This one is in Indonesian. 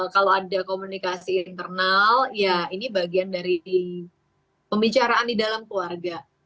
kalau ada komunikasi internal ya ini bagian dari pembicaraan di dalam keluarga